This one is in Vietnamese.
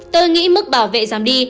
tôi nghĩ mức bảo vệ giảm đi